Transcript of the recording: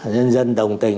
dân dân đồng tình